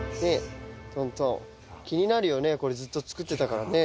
トントン気になるよねこれずっと作ってたからね。